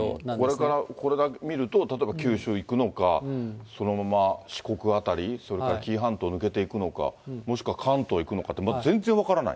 これから、これだけ見ると、例えば九州行くのか、そのまま四国辺り、それから紀伊半島抜けていくのか、もしくは関東へ行くのかと、全然分からない？